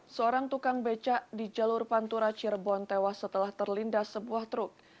seorang tukang becak di jalur pantura cirebon tewas setelah terlindas sebuah truk